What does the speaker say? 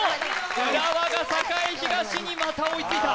浦和が栄東にまた追いついた